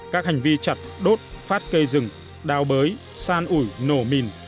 các hành vi chặt đốt phát cây rừng đào bới san ủi nổ mìn